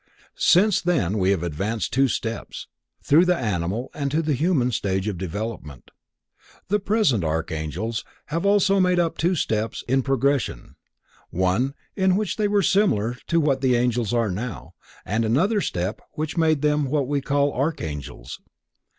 Since then we have advanced two steps: through the animal and to the human stage of development. The present Archangels have also made two steps in progression; one, in which they were similar to what the angels are now, and another step which made them what we call Archangels.